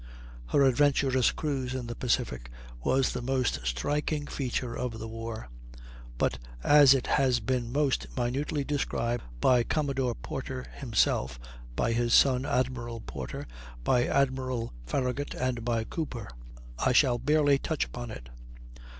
Her adventurous cruise in the Pacific was the most striking feature of the war; but as it has been most minutely described by Commodore Porter himself, by his son, Admiral Porter, by Admiral Farragut, and by Cooper, I shall barely touch upon it.